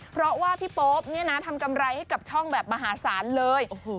เพราะว่าพี่ป๊อบทำกำไรให้กับช่องมาหาสารเลย